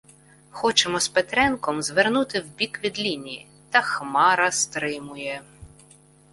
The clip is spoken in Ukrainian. Хочемо з Петренком звернути вбік від лінії, та Хмара стримує: